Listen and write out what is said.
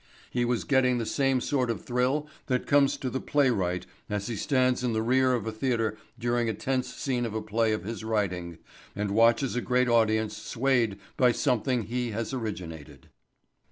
He was getting the same sort of thrill that comes to the playwright as he stands in the rear of a theatre during a tense scene in a play of his writing and watches a great audience swayed by something he has originated.